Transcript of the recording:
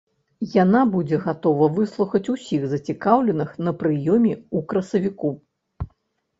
Яна будзе гатова выслухаць усіх зацікаўленых на прыёме ў красавіку.